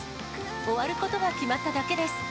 終わることが決まっただけです。